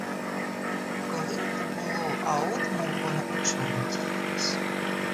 Коли то було, а от мов воно учора діялось.